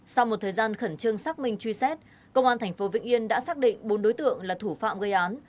sau một thời gian khẩn trương xác minh truy xét công an tp vĩnh yên đã xác định bốn đối tượng là thủ phạm gây án